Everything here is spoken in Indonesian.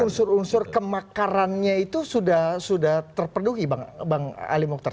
unsur unsur kemakarannya itu sudah terpenduduki bang ali mokhtar